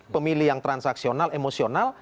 pemilih yang transaksional emosional